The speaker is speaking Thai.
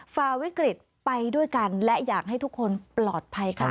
ฝ่าวิกฤตไปด้วยกันและอยากให้ทุกคนปลอดภัยค่ะ